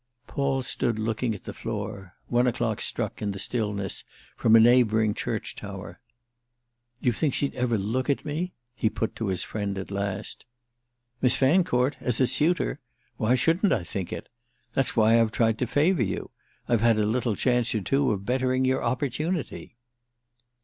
Paul stood looking at the floor—one o'clock struck, in the stillness, from a neighbouring church tower. "Do you think she'd ever look at me?" he put to his friend at last. "Miss Fancourt—as a suitor? Why shouldn't I think it? That's why I've tried to favour you—I've had a little chance or two of bettering your opportunity."